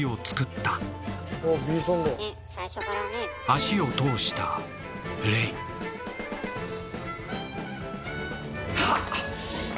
足を通したレイハァッ！